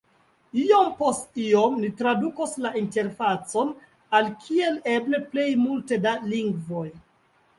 Iom post iom, ni tradukos la interfacon al kiel eble plej multe da lingvoj.